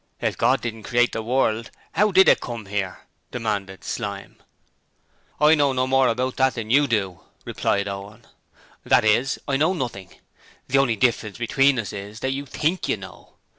'If Gord didn't create the world, 'ow did it come 'ere?' demanded Slyme. 'I know no more about that than you do,' replied Owen. 'That is I know nothing. The only difference between us is that you THINK you know.